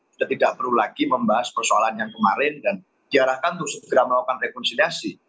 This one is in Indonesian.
sudah tidak perlu lagi membahas persoalan yang kemarin dan diarahkan untuk segera melakukan rekonsiliasi